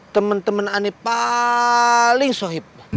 temen temen ani paling sohib